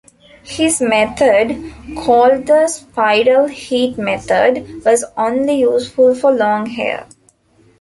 His method, called the spiral heat method, was only useful for long hair.